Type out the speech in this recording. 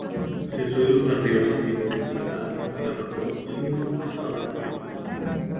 Se suele usar diversos tipos de ensaladas en platos como cocidos, asados y frituras.